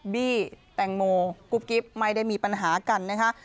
บี้แตงโมกุ๊บกิ๊บไม่ได้มีปัญหากันนะคะ